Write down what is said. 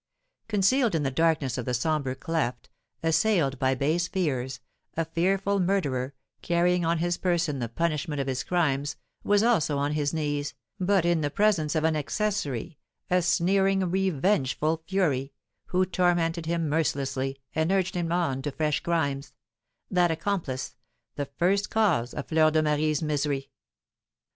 Concealed in the darkness of the sombre cleft, assailed by base fears, a fearful murderer, carrying on his person the punishment of his crimes, was also on his knees, but in the presence of an accessory, a sneering, revengeful Fury, who tormented him mercilessly, and urged him on to fresh crimes, that accomplice, the first cause of Fleur de Marie's misery.